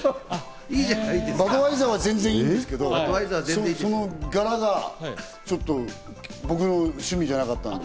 バドワイザーは全然いいんですけど、その柄が僕の趣味じゃなかったんで。